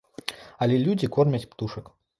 Але людзі кормяць птушак.